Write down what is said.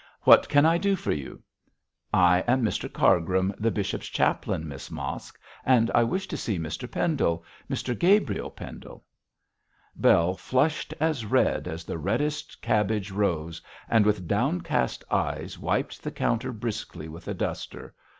'What can I do for you?' 'I am Mr Cargrim, the bishop's chaplain, Miss Mosk, and I wish to see Mr Pendle Mr Gabriel Pendle.' Bell flushed as red as the reddest cabbage rose, and with downcast eyes wiped the counter briskly with a duster.